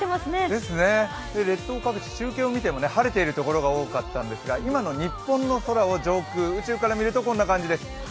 ですね、列島各地中継を見ても晴れてる所が多かったんですが今の日本の空を上空、宇宙から見ると、こんな感じです。